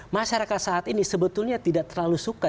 masyarakat saat ini sebetulnya tidak terlalu suka